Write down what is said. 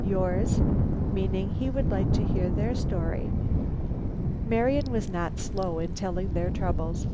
(yours) meaning he would like to hear their story. Marian was not slow in telling their troubles.